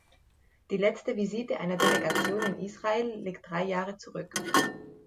Die letzte Visite einer Delegation in Israel liegt drei Jahre zurück.